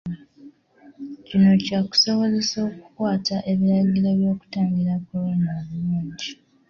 Kino kyakusobozesa okukwata ebiragiro by'okutangira Kolona obulungi.